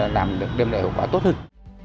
làm đem lại hậu quả tốt hơn